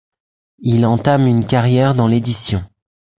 Il entame une carrière dans l'édition.